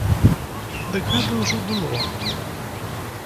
Дык гэта ўжо было.